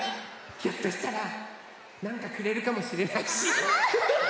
ひょっとしたらなんかくれるかもしれないし。